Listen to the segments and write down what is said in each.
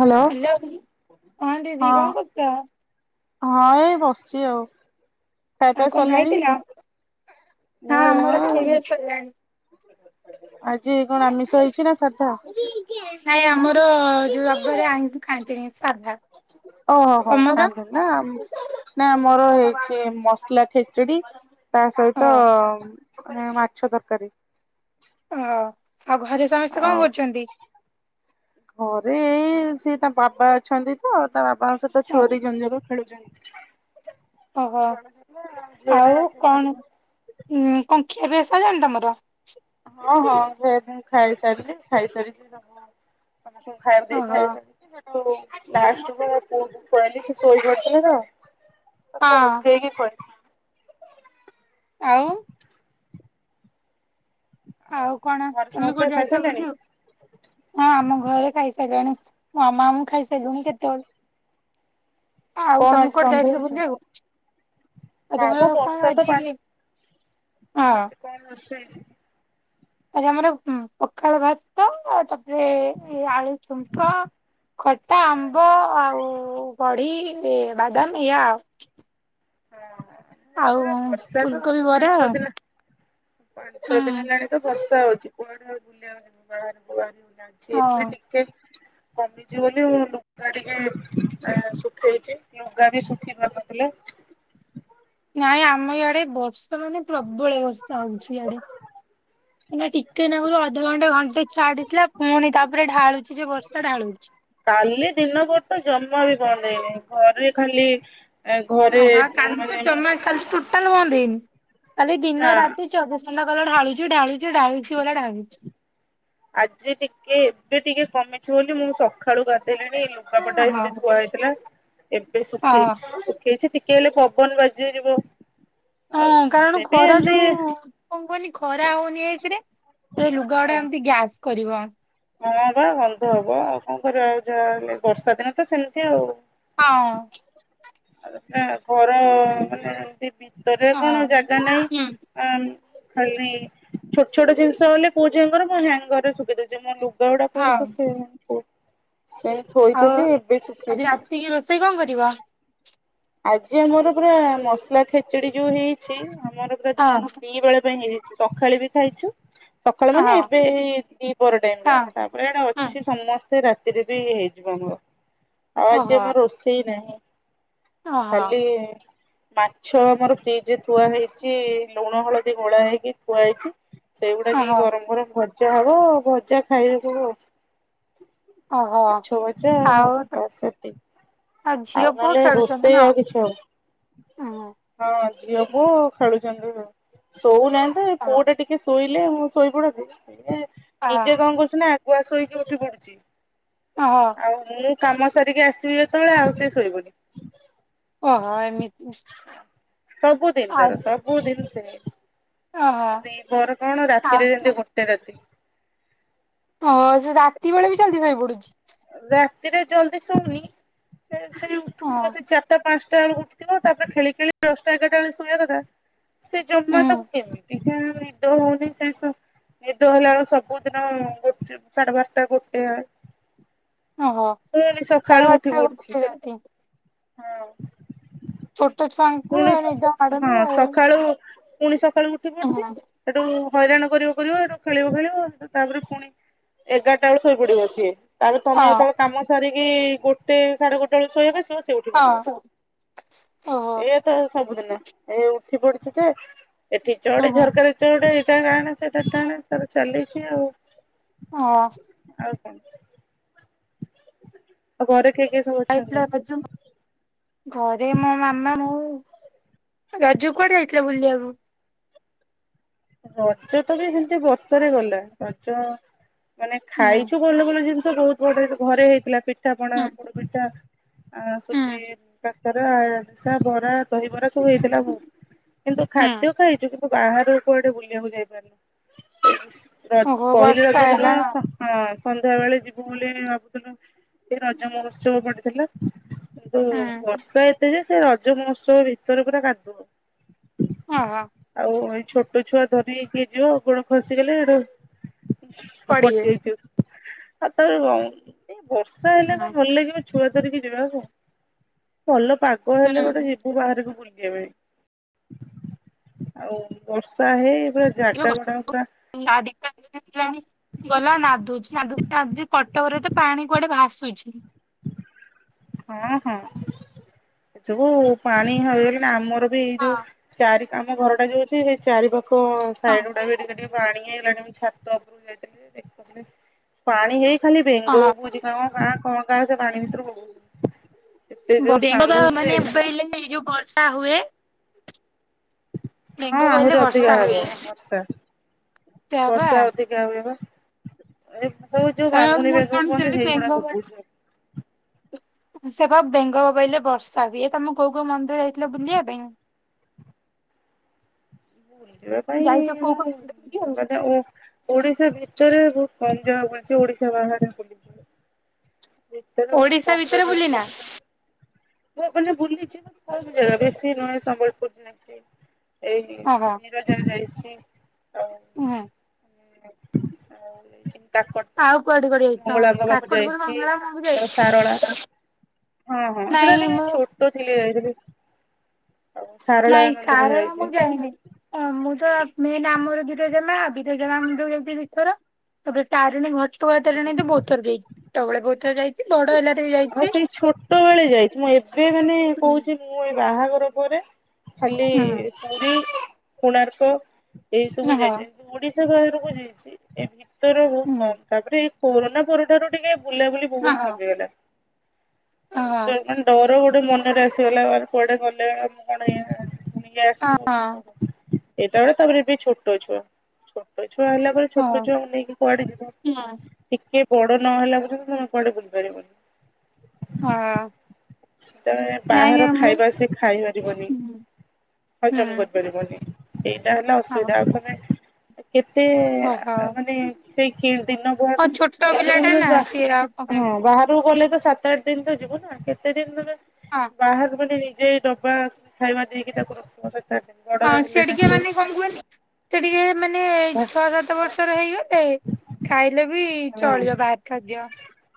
Hello. Hello ହଁ ଦିଦି କଣ କରୁଚ? ହଁ ଏଇ ବସିଛି ଆଉ। ଖାଇଆ ପିଆ ଆଉ କଣ ଖାଇଥିଲ? ହଁ ଆମର ସରିଲାଣି? ଖିଆ ସରିଲାଣି। ଆଜି କଣ ଆମିଷ ହେଇଛି ନା ସାଧା? ନାଇଁ, ଆମର ଯୋଉ ରବାରେ ଆଇଁଷ ଖାଆନ୍ତିନି, ସାଧା। ଓହୋ ହୋ ତମର? ଖାଆନ୍ତିନି। ନା ନା ଆମର ହେଇଛି ମସଲା ଖେଚୁଡି। ତା ହଁ ସହିତ ମାନେ ମାଛ ତରକାରୀ। ଓ ଆଉ ଘରେ ସମସ୍ତେ ଆଉ କଣ କରୁଛନ୍ତି? ଘରେ ଏଇ ସେ ତା ବାବା ଅଛନ୍ତି ତ ତା ବାବାଙ୍କ ସହିତ ଓ ଛୁଆ ଦିଜଣ ଯାକ। ଖେଳୁଛନ୍ତି। ଓହୋ ଆଉ କଣ [unintelligible] ଉଁ କଣ ଖିଆ ପିଆ ସରିଲାଣି ତମର? ହଁ ହଁ ଘ ମୁଁ ଖାଇସାରିଲି ଖାଇସାରିଲି [unintelligible] ସମସ୍ତଙ୍କୁ ଖାଇ ଓହୋ ଦେଇିସାରିଲି। ଲାଷ୍ଟକୁ ମୋ ପୁଅକୁ ଖୁଆଇଲି ସେ ଶୋଇପଡ଼ି ଥିଲା ତ। ହଁ [unintelligible] ଆଉ ଆଉ କଣ? ଘରେ ତମେ ସମସ୍ତେ କୋଉଠି ଯାଇଥିଲ ଖାଇସାରିଲେଣି? ବୁଲି? ହଁ ଆମ ଘରେ ଖାଇସାରିଲେଣି ମାମା ମୁଁ ଖାଇସାରିଲୁଣି କେତେବେଳେ। କଣ ଅଛି ରନ୍ଧେଉଛ? ଆ ଆଜି ଆମର କଣ ବର୍ଷା ତ ଆଜି ପା ହଁ। ଆଜି କଣ ରୋଷେଇ? ଆଜି ଆମର ପଖାଳ ଭାତ ତାପରେ ଆଳୁ ଠୁମ୍ପ। ଖଟା ହଁ ଆମ୍ବ ଆଉ ବଢ଼ି ବାଦାମ ଏୟା ଆଉ। ଆଉ ହଁ ଆଉ ବର୍ଷା ତ ଫୁଲକୋବି ପାଞ୍ଚ ବରା ଆଉ ଛଅ ଦିନ ପାଞ୍ଚଛଅ ଦିନ ହୁଁ ହେଲାଣି ତ ବର୍ଷା ହଉଛି କୁଆଡେ ଆଉ ବୁଲିବାକୁ ଯିବୁ ବାହାରିବୁ ବାହାରକୁ ହଁ ଏବେ ଟିକେ ଟିକେ କମିଛି ବୋଲି ମୁଁ ଲୁଗା ଟିକେ ସୁଖେଇଛି। ଲୁଗା ବି ଶୁଖିିପାରୁ ନଥିଲା। ନାଇଁ ଆମ ଇଆଡେ ବର୍ଷା ମାନେ ପ୍ରବଳ ବର୍ଷା ହଉଛି ଇଆଡେ। ହଁ ନା ଟିକେ ନା କୁରୁ ଅଧଘଣ୍ଟେ ଘଣ୍ଟେ ଛାଡିଥିଲା ପୁଣି ତାପରେ ଢାଳୁଛି ଯେ ବର୍ଷା ଢାଳୁଛି। କାଲି ଦିନବେଳେ ତ ଜମା ବି ବନ୍ଦ ଦେଇନି ଘରେ ଖାଲି ଘରେ ଆଉ ବା କାଲି ତ ମାନେ କାଲି ଟାଲ ବନ୍ଦ ହେଇନି କାଲିଦିନ ନା ରାତି ଚବିଶ ଘଣ୍ଟା କଲେ ଢାଳୁଛି ଢାଳୁଛି ଢାଳୁଛି ଗଲା ଢାଳୁଛି। ଆଜି ଟିକେ ଏବେ ଟିକେ କମିଛି ବୋଲି ମୁଁ ସକାଳୁ ଗାଧେଇଲିଣି ଲୁଗାପଟା ଏମିତି ହଁ ଥୁଆ ହେଇଥିଲା ଏବେ ହଁ ଶୁଖେଇଛି ଶୁଖେଇଛି ଟି କେ ହେଲେ ପବନ ବାଜି ବାଜିଯିବ। ଆଉ ହଁ କାରଣ ସେ ବି ଖରା ଏମିତି ଯୋଉ କଣ କୁହନି ଖରା ହଉନି ଏକରେ ହଁ ଲୁଗାଗୁଡା ଏମିତି ଗ୍ୟାସ କରିବ। ହଁ ବା ଗନ୍ଧ ହବ ଆଉ କଣ କରିବା ଆଉ ଯାହାହେଲେ ବର୍ଷା ଦିନ ତ ସେମିତି ଆଉ। ହଁ। ଆ ଘର ମାନେ ଏମତି ଭିତରେ ହଁ କଣ ଜାଗା ନାହିଁ। ହୁଁ ଆଁ ଖାଲି ଛୋଟ ଛୋଟ ଜିନିଷ ହେଲେ ପୁଅ ଝିଅଙ୍କର ମୁଁ ହ୍ୟାଙ୍ଗରେ ଶୁଖେଇ ଦଉଛି ମୋ ଲୁ ଲୁଗା ହଁ କୋଉଠି ଶୁଖେଇବି ସେନ୍ତି ଥୋଇଥିଲି ଏବେ ଶୁଖେଇଛି। ସେଇ କଣ କରିବ। ଆଜି ଆମର ପୁରା ମସଲା ଖେଚୁଡି ଯୋଉ ହେଇଛି ଆମର ପୁରା ହଁ ଦିବେଳ ପାଇଁ ହେଇଯାଇଛି। ସକାଳେ ବି ଖାଇଛୁ ସକାଳୁ ହଁ ମାନେ ଏବେ ଦିପର ଟାଇମ୍ ରେ। ହଁ ପୁଡ଼ା ଟା ହଁ ଅଛି ସମସ୍ତେ ରାତିରେ ବି ହେଇଯିବ ଆମର ଆଉ ଆଜି ଓହୋ ଆମ ରୋଷେଇ ନାହିଁ। ଓହୋ। ଖାଲି। ମାଛ ଆମର ଫ୍ରିଜ ରେ ଥୁଆ ହେଇଛି ଲୁଣ ହଳଦୀ ଗୋଳା ହେଇକି ଥୁଆ ହେଇଛି। ସେଇଗୁଡାକ ହି ଓହୋ ଗରମ ଗରମ ଭଜା ହବ ଭଜା ଖାଇବେ ସବୁ ଆଉ। ଓହୋ ମାଛ ଭଜା ହବ ଆଉ ତ ବାସ ସେତିକ। ଆଉ ଝିଅ ପୁଅ ନହେଲେ ଖେଳୁଛନ୍ତି ରୋଷେଇ ନା ଆଉ କିଛି ହ। ଓହୋ। ହଁ ଝିଅ ପୁଅ ଖେଳୁଛନ୍ତି ଶୋଉନାହାନ୍ତି ଏ ଓହୋ ପୁଅଟା ଟି ଟିକେ ଶୋଇଲେ ମୁଁ ଶୋଇ ପଡନ୍ତି ଇଏ ନିଜେ କଣ କରୁଛି ନା ଆଗୁଆ ଶୋଇକି ଉଠି ପଡୁଛି। ଓ ହୋ ଆଉ ମୁଁ କାମ ସାରିକି ଆସିବି ଯେତେବେଳେ ଆଉ ସେ ଶୋଇବନି। ଓହୋ ଏମିତି। ସବୁଦିନ ଆଉ ତାର ସବୁଦିନ ସେମ ଓହୋ। ଆଉ ଦିପହର କଣ ରାତିରେ ଆଚ୍ଛା। ଯେମିତି ଗୋଟେ ରାତି ହଁ ସେ ରାତି ବେଳେ ବି ଜଲ୍ଦି ଶୋଇ ପଡୁଚି। ରାତିରେ ଜଲ୍ଦି ଶୋଉନି କେ ସେଇ ଓହୋ। ଉଠୁଥିବ ସେ ଚାରିଟା ପାଞ୍ଚଟା ବେଳକୁ ଉଠୁ ଥିବ ତାପରେ ଖେଳି ଖେଳି ଦଶଟା ଏଗାରଟା ବେଳେ ଶୋଇବା କଥା। ସେ ଜମା ତାକୁ କେମିତି କେଜାଣି ନିଦ ହଉନି ସେ ଶୋ ନିଦ ହେଲା ବେଳୁ ସବୁଦିନ ଗୋଟେ ସାଢେ ବାରଟା ଗୋଟେ। ଓହୋ ପୁଣି ସାଢ଼େ ସକାଳୁ ଉଠି ବାରଟା ପଡୁଛି [unintelligible] ହଁ। ଛୋଟ ଛୁଆଙ୍କୁ ପୁଣି ନିଦ ମାଡୁନି ହଁ ଆଉ। ସକାଳୁ ପୁଣି ସକାଳୁ ଉଠି ହଁ ପଡୁଛି। ହଁ ସେଠୁ ହଇରାଣ କରିବ କରିବ ସେଠୁ ଖେଳିବ ଖେଳିବ ସେଠୁ ତାପରେ ପୁଣି। ଏଗାରଟା ବେଳୁ ଶୋଇ ପଡିବ‌ ସିଏ। ତାପରେ ତମେ ଯେତେବେଳେ କାମ ସାରିକି ଗୋଟେ ସାଢେ ଗୋଟେ ବେଳେ ଶୋଇବାକୁ ଆସିବ ସେ ଉ ଉଠିପଡ଼ିବ ଓହୋ ଏଇୟା ତ ସବୁଦିନ ଏଇ ଉଠି ପଡିଛି ଯେ। ଏଠି ଚଢେ ଓହୋ ଝରକାରେ ଚଢେ ଏଇଟା ଟାଣେ ସେଇଟା ଟାଣେ ତାର ଚାଲିଛି ଆଉ। ହଁ‌। ଆଉ କଣ? ଆଉ ଘରେ କିଏ କିଏ ସବୁ ଆଇଥିଲା ଅଛନ୍ତି? ରଜ ଘରେ ମୋ ମାମା ମୁଁ। ‌ରଜ କୁଆଡେ ଯାଇଥିଲା ବୁଲିବାକୁ? ରଜ ତ ବି ସେମିତି ବର୍ଷାରେ ଗଲା ରଜ। ମାନେ ହୁଁ ଖାଇଛୁ ଭଲ ଭଲ ଜିନିଷ ବହୁତ ବଢିଆ ଘରେ ହେଇଥିଲା ପି ପିଠା ପଣା ହୁଁ ପୋଡ ପିଠା ଆଁ ହୁଁ ସୁଜି କାକରା ଆରିଶା ବରା ଦହିବରା ସବୁ ହେଇଥିଲା ହୁଁ। କିନ୍ତୁ ହୁଁ ଖାଦ୍ୟ ଖାଇଛୁ କିନ୍ତୁ ବାହାରକୁ କୁଆଡେ ବୁଲିବାକୁ ଯାଇପାରୁଲୁନୁ ୟେସ। ରଜ ଓହୋ ପହିଲି ରଜ ବର୍ଷା ଦିନ ହେଲା ନା? ସ ହଁ ସନ୍ଧ୍ୟା ବେଳେ ଯିବୁ ବୋଲି ଭାବୁଥୁଲୁ ଏଇ ରଜ ମହୋତ୍ସବ ପଡିଥିଲା। କିନ୍ତୁ ହୁଁ ବର୍ଷା ଏତେ ଯେ ସେ ରଜ ମହୋତ୍ସବ ଭିତରେ ପୁରା କାଦୁଅ। ହଁ ବା। ଆଉ ଏଇ ଛୋଟ ଛୁଆ ଧରିକି କିଏ ଯିବ ଗୋଡ଼ ଖସିଗଲେ ସେଠୁ ପଡିବେ ପଡିଜାଇଥିବ ଆଉ ତ ଏବ ଏଇ ବର୍ଷା ହେଲେ କଣ ହୁଁ ଭଲ ଲାଗିବ ଛୁଆ ଧରିକି ଯିବାକୁ ଭଲ ପାଗ ହେଲେ ଗୋଟେ ଯିବୁ ବାହାରକୁ ବୁଲିବା ପାଇଁ। ଆଉ ବର୍ଷା ହେଇ ପୁରା ଜାଗା ଗୁଡାକ ପୁରା। ଗାଡ଼ି ତ ନେଇକି ଯିବାନି। ଗଲା ନାଦୁଛି ନାଦୁଚି ନାଦୁଚି କଟକରେ ତ ପାଣି କୁଆଡେ ଭାସୁଛି। ହଁ ହଁ ଏ ସବୁ ପାଣି ହଁ ହୋଇଗଲେ ନା ଆମର ବି ଏଇ ଯୋଉ ଚାରି ଆମ ଘର ଟା ଯୋଉ ଅଛି ସେଇ ଚାରି ପାଖ ହଁ ସାଇଡ ଗୁଡା ଏଇନା ଟିକେ ପାଣି ହେଇଗଲାଣି ମୁଁ ଛାତ ଉପରକୁ ଯାଇଥିଲି ଯେ ଦେଖୁଥିଲି ପାଣି ହେଇ ଖାଲି ବେଙ୍ଗ ହଁ ବୋବଉଛି କଁ କାଁ କଁ କାଁ ସେ ପାଣି ଭିତରୁ ବୋବ ବେଙ୍ଗ ଯେ [unintelligible] ଯୋଉ ବର୍ଷା ହୁଏ। ହଁ ବେଙ୍ଗ ବୋଇଲେ ଆହୁରି ବର୍ଷା ଅଧିକା ହୁଏ ହବ ବର୍ଷା ସେୟା ବା ବର୍ଷା ଅଧି କା ହୁଏ ବା ସବୁ ଯୋଉ ବାମୁଁଣୀ ମୁଁ ବେଗ କୁହନ୍ତି ଶୁଣିଥିଲି ସେଇଗୁଡା ବେଙ୍ଗ ବୋ ବୋବୋଉଛନ୍ ସେ ବା ବେଙ୍ଗ ବୋବେଇଲେ ବର୍ଷା ହୁଏ ତମେ କୋଉ କୋଉ ମନ୍ଦିର ଯାଇଥିଲେ ବୁଲିବା ପାଇଁ। ବୁଲିବା ପାଇଁ ଯାଇଛ କୋଉ ମୁଁ କୋଉ ମନ୍ଦିର ବୁଲିବାକୁ? ମାନେ‌ ମୁଁ ଓଡିଶା ଭିତରେ ବୋହୁତ କମ ଜାଗା ବୁଲିଛି ଓଡିଶା ବାହାରେ ବୁଲିଚି। ଭିତରେ ବୋହୁତ ଓଡିଶା କମ୍ ଭିତରେ ଜାଗା ବୁଲିନା ବୁଲିଚି। ମୁଁ ମାନେ ବୁଲିଚି କିନ୍ତୁ କମ୍ ଜାଗା ବେଶୀ ନୁହେଁ ସମ୍ବଲପୁର ଯାଇଚି। ଏଇଠୀ ଓହୋ ବିରଜା ଯାଇଛି ଆଉ [unintelligible] ହୁଁ ଆଉ ଯାଇଚି କାକଟପୁର୍ ଆଉ କୁଆଡେ କୁଆଡେ ଯାଇଛ? ମଙ୍ଗଳାଙ୍କ ପାଖକୁ କାକଟପୁର ଯାଇଛି ମଙ୍ଗଳା ମୁଁ ବି ଣୁ ଯାଇଛି ସାରଳା ହଁ ହଁ ସେଟା ନାଇଁ ଟିକେ ମୁଁ ଛୋଟୋ ଥିଲି ଯାଇଥିଲି। ଆଉ ସାରଳା ମନ୍ଦିର ଯାଇଚି। ଅଁ ମୁଁ ତ ମେନ୍ ଆମ୍ ଆମର ବିରଜାମା ଆ ବିରଜା ମା ମନ୍ଦିରକୁ ଯାଇଚି ଦିଥର ତାପରେ ତାରିଣୀ ଘଟ ତୁ ବୈତରଣୀ ତ ବୋହୁତ ଥର ଯାଇଚି ଛୋଟୋ ବୋଳେ ବୋହୁତ ଥର ଯାଇ ହଁ ସେଇ ଛୋଟୋ ବୋଳେ ଯାଇଛି ମୁଁ ଏବେ ମାନେ ହୁଁ କୋହୁଚି ମୁଁ ଏଇ ବାହାଘର ପରେ ଖାଲି ପୁରୀ କୋଣାର୍କ ଏଇ ସବୁ ହଁ ହଁ। ଯାଇଚି କିନ୍ତୁ ଓଡିଶା ବାହାରକୁ ଯାଇଛି ଏ ଭିତର ହୁଁ। ବୋହୁତ କମ ତାପରେ କୋରୋନା ପରଠାରୁ ଟିକେ ବୁଲାବୁଲି ହଁ ବୋହୁତ୍ କମିଗଲା ଆଉ ହଁ ଏବେ ମାନେ ଡର ଗୋଟେ ମନରେ ଆସିଗଲା ଆରେ କୁଆଡେ ଗଲେ ଆଉ ମୁଁ। [unintelligible] ଫୁଣି ଇଏ ଆସିବ କି ହଁ କଣ [unintelligible] ତାପରେ ଏବେ ଛୋଟୋ ଛୁଆ ଛୋଟୋ ଛୁଆ ହେଲା ରେ ଛୋଟୋ ଛୁଆଙ୍କୁ ନେଇକି କୁଆଡେ ଯିବ ଟିକେ ବଡ ନହେଲା ପର୍ଯ୍ୟନ୍ତ ତମେ କୁଆଡେ ବୁଲି ପାରିବନି। ହଁ। ସେତେବେଳେ ନାଇଁ ବାହାର ମୁଁ ଖାଇବା ସିଏ ଖାଇପାରିବନି। ହୁଁ ହଜମ କରିପାରିବନି। ଏଇଟା ହେଲା ହଁ ଅସୁବିଧା ଆଉ ତମେ କେତେ ଓହୋ ମାନେ ସେଇ କି ଦିନ ବୁହା ହଁ ଛୋଟ ପିଲା ଟା ମିନିମମ୍। [unintelligible] [unintelligible] ହଁ ବାହାରକୁ ଗଲେ ତ ସାତ ଆଠ ଦିନ ତ ଯିବନା କେତେ ଦିନ ତମେ ହଁ। ବାହାର ବୋଲି ନିଜେ ଡବା ଖାଇବା ଦେଇକି ତାକୁ ରଖିବ ସେଟା କେମିତି ହଁ ସିଇ ଟିକେ ମାନେ କଁ କୁହନି ସେ ଟିକେ ମାନେ ଛଅ ସାତ ବର୍ଷର ହେଇଗ ଲେ ଖାଇଲେ ବି ହଁ ଚଳିବ ବାହାର ଖାଦ୍ୟ।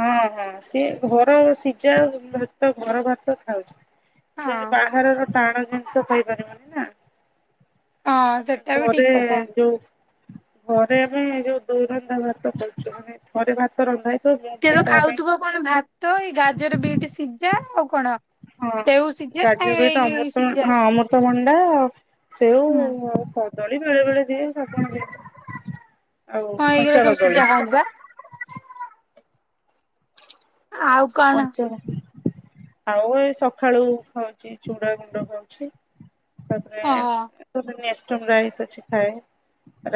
ହଁ ହଁ ସିଏ ଘର ସିଜା ଭାତ ଘର ଭାତ ଖାଉଛି। ହଁ ବାହାରର ଟାଣ ଜିନିଷ ଖାଇପାରିବନି ନା। ହଁ ଆମେ ସେଟା ବି ଠିକ ଘରେ କଥା ଯୋଉ ଘରେ ଆମେ ଯୋଉ ଦୋ ରନ୍ଧା ଭାତ କରୁଛୁ ମାନେ ଥରେ ଭାତ ରନ୍ଧା ହେଇ ସିଏ ତ ଖାଉଥୁବ କଣ ଭାତ ଏଇ ଗାଜର ବିଟ ସିଜା ଆଉ କଣ ହଁ ସେଉ ସିଝା ଗାଜର ଏଇ ହିତ ଏଇ ଅମୃତ ସିଝା ହଁ ଅମୃତ ତଭଣ୍ଡା ସେଉ ହୁଁ ଆଉ କ ଦଳି ବେଳେ ବେଳେ ଦିଏ [unintelligible] ଆଉ ହଁ ଏଇଗୁରା କଞ୍ଚା ସବୁ କଦଳି। ସିଝା ଖାଉଚି ବା ଆଉ କଣ କଞ୍ଚା ଆଉ ଏ ସଖାଳୁ ଖାଉଚି ଚୁଡା ଗୁଣ୍ଡ ଖାଉଛି। ତାପରେ ଓହୋ ଗୋଟେ ନେଷ୍ଟମ ରାଇସ ଅଛି ଖାଏ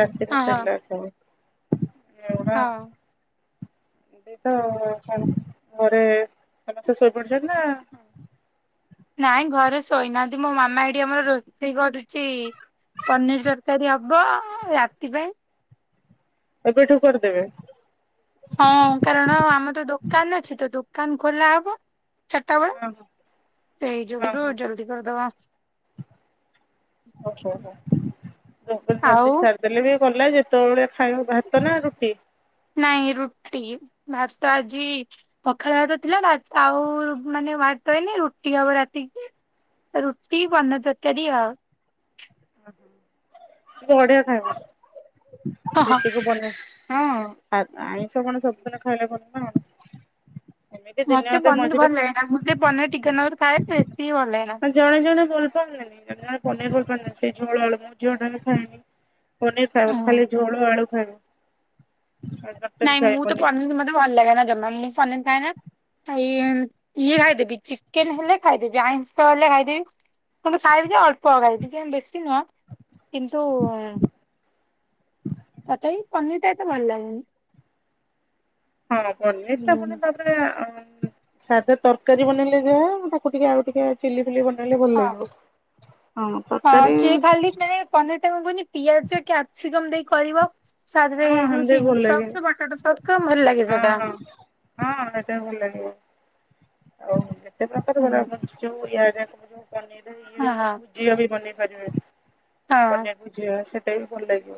ରାତିରେ ଓହୋ ସେରଲାକ୍ ଖାଏ। ହଁ ସେଇ ତ ଆଉ ଛଡ଼ ଘରେ ସମସ୍ତେ ଶୋଇପଡିଚନ୍ତି ନା ନାଇଁ ଘରେ ଶୋଇନାହାନ୍ତି ମୋ ମାମା ଏଇଠି ଆମର ରୋଷେଇ କରୁଚି ପନିର ତରକାରୀ ହବ୍ ହବ ରାତି ପାଇଁ। ଏବେ ଠୁ କରିଦେବେ। ହଁ! କାରଣ ଆମର ଦୋକାନ୍‌ ଅଛି ତ, ଦୋକାନ୍‌ ଖୋଲା ହବ। ଚାର୍ଟା ବଳେ, ହଁ ହଁ ସେଇ ହଁ ଯୁଗୁରୁ ହଁ। ଜଲ୍ଦି କର୍ଦବା। [inaudible] ଆଉ ଦେଲେ ବି ଯେତବଳେ ଖାଇବ, ଭାତ ନା ରୁଟି? ନାଇଁ ରୁଟି, ଭାତ ଆଜି ପଖାଳ ଭାତ ଥିଲା। ଆଉ ମାନେ ଭାତ ହେଇନି, ରୁଟି ହବ ରାତିକି। ରୁଟି ବନା ତର୍କାରୀ ଆଉ। [inaudible] ଆଇଁଷ କ'ଣ ହଁ ହଁ ସବୁଦିନ ଖାଇଲେ ଭଲ। ଏମିତି ଦିନେ ମତେ ଅଧେ ପନିର ମଝିରେ [inaudible] ଜଣେ ଜଣେ ବଲ୍ ପାନ୍ତିନି, ଜଣେ ପନିର୍ ଭଲ୍ ପାଆନ୍ତିନି। ସେଇ ଝୋଳ ଆଳୁ, ମୋ ଝିଅ ଟା ବି ଖାଏନି। ପନିର୍ ଖାଇବନି, ଖାଲି ଝୋଳ ଆଳୁ ଖାଇବ। ଟୋଟାଲି ନାଇଁ, ମୁଁ ତ ଖାଇବନି ପନିର୍ ମତେ ଭଲ୍‌ ଲାଗେନା, ଜମା ମୁଁ ପନିର୍ ଖାଏନା। ଇଏ ଖାଇଦେବି। ଚିକେନ୍‌ ହେଲେ ଖାଇଦେବି, ଆଇଁଷ ହେଲେ ଖାଇଦେବି। ଖାଇବି ଯେ ଅଳ୍ପ ଖାଇବି, ଟିକେ ବେଶୀ ନୁହଁ। କିନ୍ତୁ ତଥାବି ପନିର୍ ଟା ଏତେ ଭଲ୍ ଲାଗେନି। ହଁ! ପନିର୍ ଟା ହୁଁ। ପୁଣି ସାଦା ତର୍କାରୀ ବନେଇଲେ ଯାହା। ତାକୁ ଟିକେ ଆଉ ଟିକେ ଚିଲି ଫିଲି ବନେଇଲେ ଭଲ୍ ହଁ ଲାଗିବ। ପନିର୍ ଟା କ'ଣ କୁହନି ପିଆଜ, କ୍ୟାପ୍ସିକମ୍ ଦେଇ କରିବ। ହଁ ହେମିତି ଚିଲି ବି ଭଲ ଲାଗେ ସକ୍ସ, ପଟାଟୋ ସକ୍ସ ଭଲ୍‌ ଲାଗେ ହଁ ସେଟା। ହଁ ହଁ! ଏଟା ବି ଭଲ୍‌ ଲାଗିବ, ଆଉ ଯେତେ ପ୍ରକାର [inaudible] ହୁଁ ହୁଁ ପନିର୍ ହଁ ହଁ ହଁ। ଭୁଜିଆ ସେଟା ବି ଭଲ୍‌ ଲାଗିବ।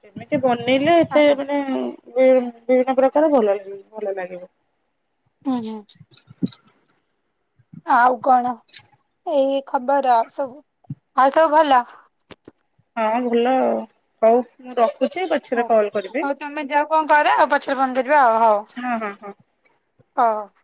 ଯେ ବନେଇଲେ ଏତେ ହଁ ମାନେ, ବି---ବିଭିନ୍ନ ପ୍ରକାର ଭଲ ଭଲ ଲାଗିବ। ହୁଁ ହୁଁ। ଆଉ କଣ, ଏଇ ଖବର ଆଉ ସବୁ। ଆଉ ସବୁ ଭଲ? ହଁ! ଭଲ ଆଉ। ହଉ ମୁଁ ରଖୁଚି, ହଉ। ପଛ୍ରେ କଲ୍ କରିବି। ହଉ ତମେ ଯାଅ କ'ଣ କର, ପଛରେ ଫୋନ୍ କରିବା ଆଉ ହଉ। ହଁ ହଁ ହଁ! [inaudible]